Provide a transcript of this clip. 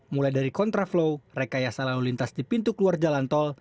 mulai dari kontraflow rekayasa lalu lintas di pintu keluar jalan tol